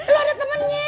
lo ada temennya